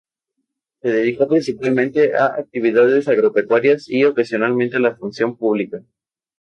Se dedicó principalmente a actividades agropecuarias y ocasionalmente a la función pública.